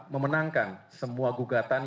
memenangkan semua gugatan